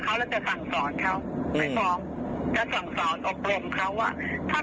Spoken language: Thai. ไปพร้อมแล้วสั่งสอนอบรมเขาว่า